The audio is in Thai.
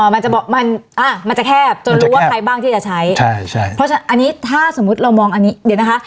มันจะบอกมันอ่ะมันจะแคบจนรู้ว่าใครบ้างที่จะใช้ใช่ใช่เพราะฉะนั้นอันนี้ถ้าสมมุติเรามองอันนี้เดี๋ยวนะคะ